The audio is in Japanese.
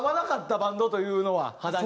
バンドというのは肌に。